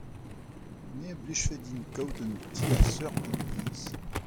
Me a blijfe din kaout un ti a seurt gant hennezh.